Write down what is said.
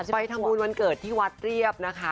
ไปทำบุญวันเกิดที่วัดเรียบนะคะ